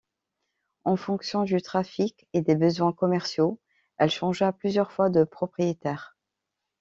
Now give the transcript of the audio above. En fonction du trafic et des besoins commerciaux elle changea plusieurs fois de propriétaires.